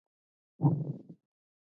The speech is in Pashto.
توریالی سږ کال له خپلې بزگرۍ خوښ دی.